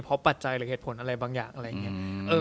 เพราะปัจจัยหรือเหตุผลอะไรบางอย่างอะไรอย่างนี้